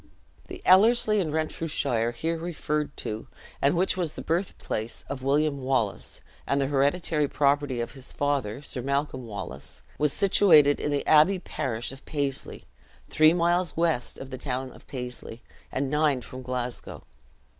" The Ellerslie in Renfrewshire here referred to, and which was the birthplace of William Wallace, and the hereditary property of his father, Sir Malcolm Wallace, was situated in the abbey parish of Paisley, three miles west of the won of Paisley, and nine from Glasgow.